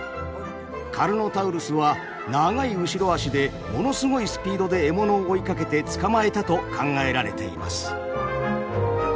カルノタウルスは長い後ろあしでものすごいスピードで獲物を追いかけて捕まえたと考えられています。